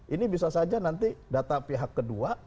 ini bisa saja nanti data pihak kedua